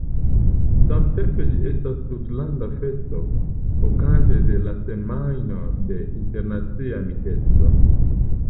Samtempe ĝi estas tutlanda festo okaze de la Semajno de Internacia Amikeco.